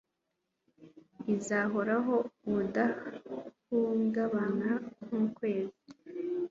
izahoraho ubudahungabana nk'ukwezi